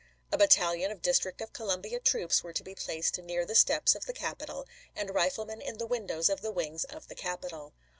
A battalion of District of Columbia troops were to be placed near the steps of the Capitol, and rifle men in the windows of the wings of the Capitol.